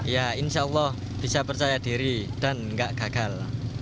ya insya allah bisa percaya diri dan nggak gagal